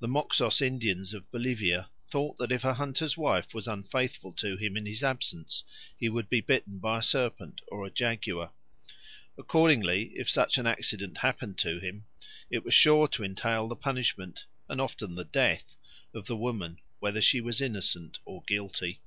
The Moxos Indians of Bolivia thought that if a hunter's wife was unfaithful to him in his absence he would be bitten by a serpent or a jaguar. Accordingly, if such an accident happened to him, it was sure to entail the punishment, and often the death, of the woman, whether she was innocent or guilty.